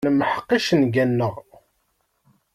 Nemḥeq icenga-nneɣ.